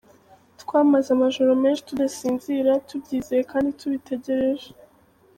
Twamaze amajoro menshi tudasinzira, tubyizeye kandi tubitegereje.